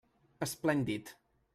Esplèndid!